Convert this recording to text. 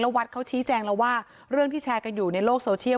วัดเขาชี้แจงแล้วว่าเรื่องที่แชร์กันอยู่ในโลกโซเชียล